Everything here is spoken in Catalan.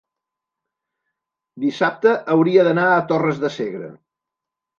dissabte hauria d'anar a Torres de Segre.